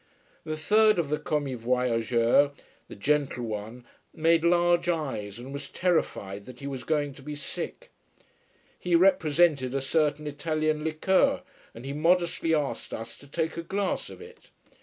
The third of the commis voyageurs, the gentle one, made large eyes and was terrified that he was going to be sick. He represented a certain Italian liqueur, and he modestly asked us to take a glass of it.